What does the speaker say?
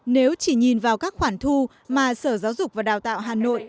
nếu chỉ nhìn vào các khoản thu mà sở giáo dục và đào tạo hà nội